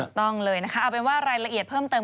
ต้องเลยนะคะเอาเป็นว่ารายละเอียดเพิ่มเติม